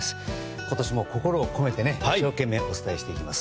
今年も心を込めて一生懸命お伝えしていきます。